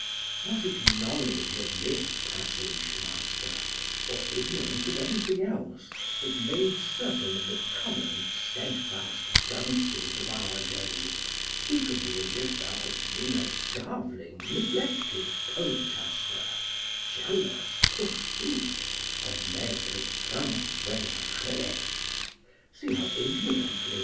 Was it knowledge of this passage, Master, or ignorance of everything else, that made certain of the common steadfast dunces of our days speak of thee as if thou hadst been a starveling, neglected poetaster, jealous forsooth, of Maitre Francoys Rabelais? See how ignorantly M.